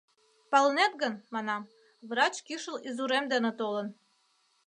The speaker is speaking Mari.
— Палынет гын, — манам, — врач кӱшыл изурем дене толын.